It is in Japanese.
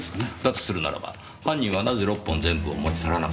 するならば犯人はなぜ６本全部を持ち去らなかったのでしょう？